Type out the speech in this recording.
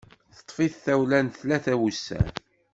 Teṭṭef-it tawla n tlata n wussan.